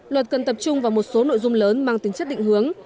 luật cần tập trung vào một số nội dung lớn mang tính chất định hướng